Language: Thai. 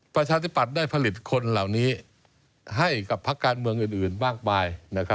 ประชาธิปัตย์ได้ผลิตคนเหล่านี้ให้กับพักการเมืองอื่นมากมาย